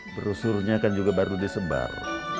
brosurnya kan juga baru disebar